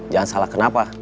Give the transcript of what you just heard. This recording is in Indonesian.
jangan salah kenapa